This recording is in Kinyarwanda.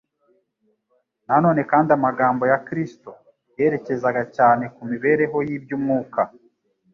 Na none kandi, amagambo ya Kristo yerekezaga cyane ku mibereho y'iby'umwuka.